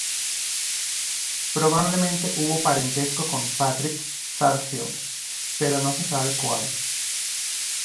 Probablemente hubo parentesco con Patrick Sarsfield, pero no se sabe cuál.